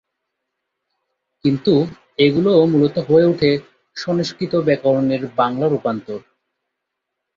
কিন্তু এগুলি মূলত হয়ে ওঠে সংস্কৃত ব্যাকরণের বাংলা রূপান্তর।